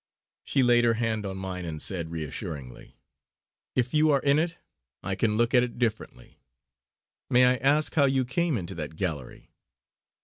She laid her hand on mine and said reassuringly: "If you are in it, I can look at it differently. May I ask how you came into that gallery?"